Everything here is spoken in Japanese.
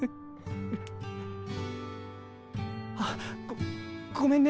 あ！ごごめんね。